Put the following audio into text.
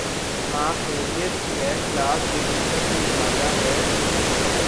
ہاں خیریت ہی ہے۔۔۔ کلاس لینے کا کوئی ارادہ ہے؟